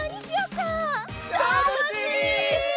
たのしみ！